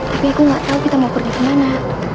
tapi aku enggak tahu kita mau pergi ke mana